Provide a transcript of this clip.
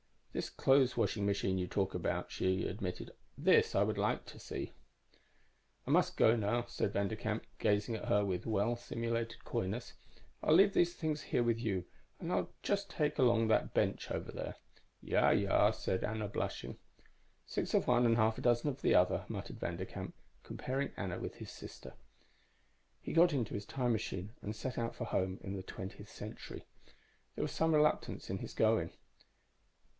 "This clothes washing machine you talk about," she admitted. "This I would like to see."_ _"I must go now," said Vanderkamp, gazing at her with well simulated coyness. "I'll leave these things here with you, and I'll just take along that bench over there."_ "Ja, ja," said Anna, blushing. "Six of one and half a dozen of the other," muttered Vanderkamp, comparing Anna with his sister. _He got into his time machine and set out for home in the twentieth century. There was some reluctance in his going.